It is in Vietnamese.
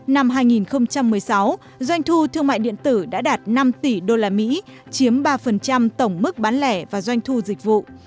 năm hai nghìn một mươi sáu doanh thu thương mại điện tử đã đạt năm tỷ usd chiếm ba tổng mức bán lẻ và doanh thu dịch vụ